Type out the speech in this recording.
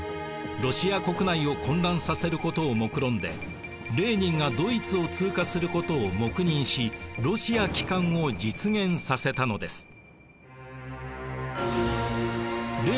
ロシア国内を混乱させることをもくろんでレーニンがドイツを通過することを黙認しロシア帰還を実現させたのです。